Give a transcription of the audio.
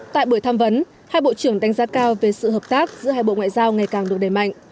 tại buổi tham vấn hai bộ trưởng đánh giá cao về sự hợp tác giữa hai bộ ngoại giao ngày càng được đẩy mạnh